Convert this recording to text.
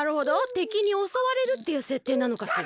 てきにおそわれるっていうせっていなのかしら。